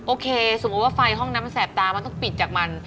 โอเคสมมุติไฟห้องนั้นมันแสบตามันต้องปิดจากมัน